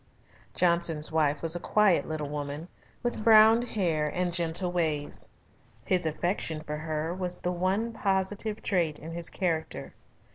Johnson's wife was a quiet little woman, with brown hair and gentle ways. His affection for her was the one positive trait in his character.